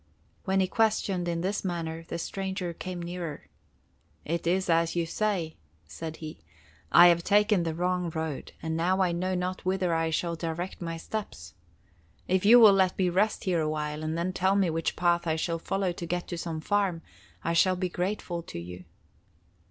When he questioned in this manner, the stranger came nearer. "It is as you say," said he. "I have taken the wrong road, and now I know not whither I shall direct my steps. If you will let me rest here a while, and then tell me which path I shall follow to get to some farm, I shall be grateful to you."